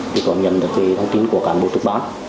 thì có nhận được cái thông tin của cản bộ tổng báo